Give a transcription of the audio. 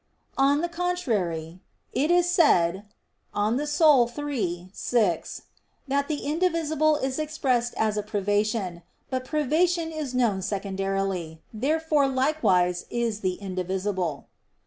On the contrary, It is said (De Anima iii, 6) that "the indivisible is expressed as a privation." But privation is known secondarily. Therefore likewise is the indivisible.